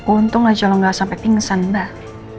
untung aja lu gak sampai pingsan mbak